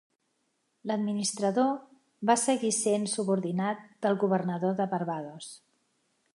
L'administrador va seguir sent subordinat del Governador de Barbados.